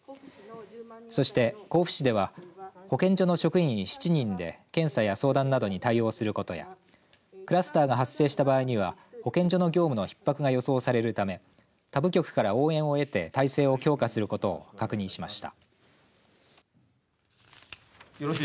そして、甲府市では保健所の職員７人で検査や相談などに対応することやクラスターが発生した場合には保健所の業務のひっ迫が予想されるため他部局から応援を得て体制を強化することを確認しました。